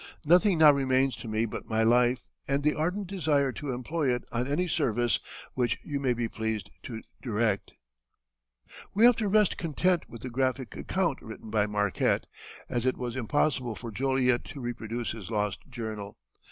Nothing now remains to me but my life and the ardent desire to employ it on any service which you may be pleased to direct." We have to rest content with the graphic account written by Marquette, as it was impossible for Joliet to reproduce his lost journal.